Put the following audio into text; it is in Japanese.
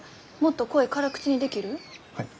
はい。